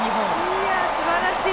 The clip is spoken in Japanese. いやー、すばらしい！